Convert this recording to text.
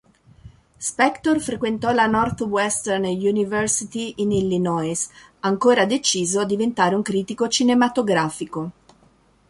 Spector frequentò la Northwestern University in Illinois, ancora deciso a diventare un critico cinematografico.